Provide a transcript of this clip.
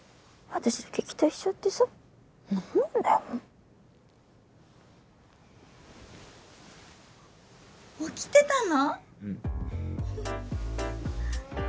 私だけ期待しちゃってさ何だよ起きてたの？